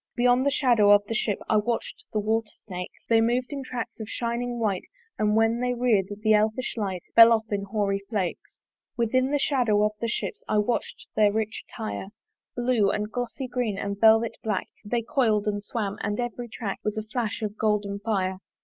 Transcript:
Beyond the shadow of the ship I watch'd the water snakes: They mov'd in tracks of shining white; And when they rear'd, the elfish light Fell off in hoary flakes. Within the shadow of the ship I watch'd their rich attire: Blue, glossy green, and velvet black They coil'd and swam; and every track Was a flash of golden fire.